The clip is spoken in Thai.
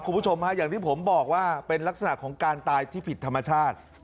คุณผู้ชมฮะอย่างที่ผมบอกว่าเป็นลักษณะของการตายที่ผิดธรรมชาติ